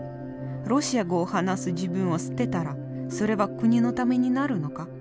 ロシア語を話す自分を捨てたらそれは国のためになるのか？